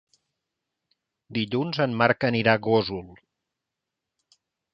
Dilluns en Marc anirà a Gósol.